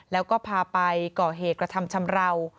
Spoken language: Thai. แล้วก็พาไปก่อเหตุกระทำชำราว